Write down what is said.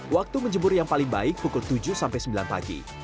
waktu menjemur yang paling baik pukul tujuh sampai sembilan pagi